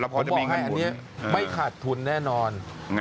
ผมบอกให้อันนี้ไม่ขาดทุนแน่นอน